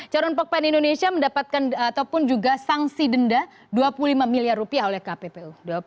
carun pokpen indonesia mendapatkan ataupun juga sanksi denda dua puluh lima miliar rupiah oleh kppu